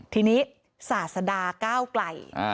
ทีนี้ศาสดาก้าวไกล